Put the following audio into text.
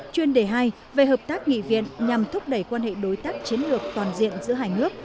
chuyên đề hai về hợp tác nghị viện nhằm thúc đẩy quan hệ đối tác chiến lược toàn diện giữa hai nước